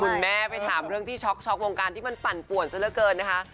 คุณแม่ไปถามเรื่องที่ช็อกวงการที่มันปั่นป่วนซะละเกินนะคะ